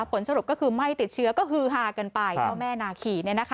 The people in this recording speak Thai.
ผลสรุปก็คือไม่ติดเชื้อก็คือฮากันไปเจ้าแม่นาคี